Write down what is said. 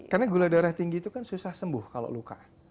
karena gula darah tinggi itu kan susah sembuh kalau luka